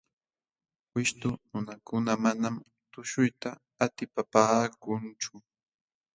Wishtu nunakuna manam tuśhuyta atipapaakunchu.